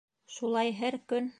Шулай һәр көн.